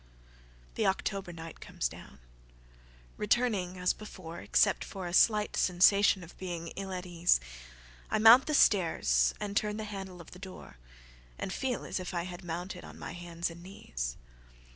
IIIThe October night comes down; returning as beforeExcept for a slight sensation of being ill at easeI mount the stairs and turn the handle of the doorAnd feel as if I had mounted on my hands and knees.